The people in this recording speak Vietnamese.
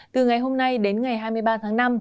từ ngày hôm nay đến ngày hai mươi ba tháng năm